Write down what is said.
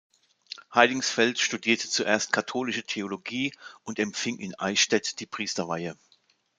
Heidingsfeld studierte zuerst Katholische Theologie und empfing in Eichstätt die Priesterweihe.